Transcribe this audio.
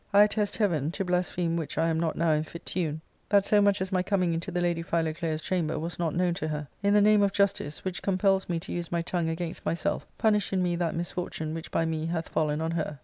I attest Heaven — to blaspheme which I am not now in fit tune — that so much as my coming into the lady Philoclea's chamber was not known to her. I n the name of justice, which compels me to use my tongue against myself, punish in me that misfortune which by me hath fallen on her."